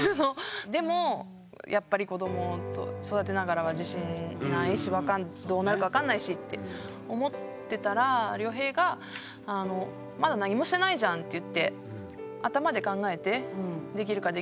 でもやっぱり子ども育てながらは自信ないしどうなるか分かんないしって思ってたら良平が「まだ何もしてないじゃん」って言って。